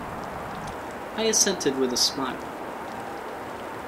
I assented with a smile.